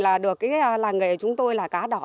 là được cái làng nghề chúng tôi là cá đỏ